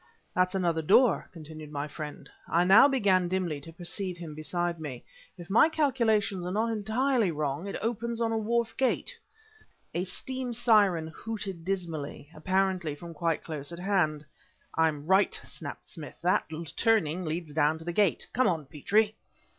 "That's another door," continued my friend I now began dimly to perceive him beside me. "If my calculations are not entirely wrong, it opens on a wharf gate " A steam siren hooted dismally, apparently from quite close at hand. "I'm right!" snapped Smith. "That turning leads down to the gate. Come on, Petrie!"